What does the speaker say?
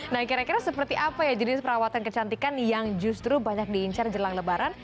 nah kira kira seperti apa ya jenis perawatan kecantikan yang justru banyak diincar jelang lebaran